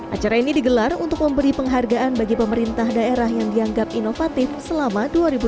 acara ini digelar untuk memberi penghargaan bagi pemerintah daerah yang dianggap inovatif selama dua ribu dua puluh